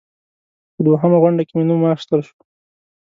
په دوهمه غونډه کې مې نوم واخیستل شو.